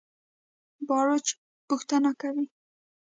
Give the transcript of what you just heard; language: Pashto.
باروچ پوښتنه کوي.